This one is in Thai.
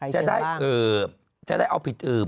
จะได้เอิบจะได้เอาผิดเอิบ